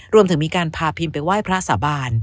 รวมถึงมีการพาพิมไปไหว้พระสาบาน